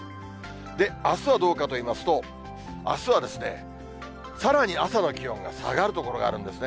あすはどうかといいますと、あすはさらに朝の気温が下がる所があるんですね。